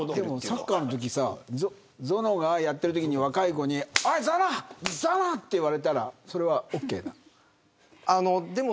サッカーのときゾノがやっているときに若い子におい、ゾノって言われたらそれはオーケーなの。